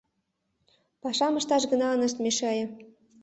Пашам ышташ гына ынышт мешае.